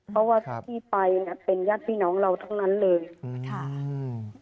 เพราะว่าที่ไปเป็นญาติพี่น้องเราทั้งนั้นเลย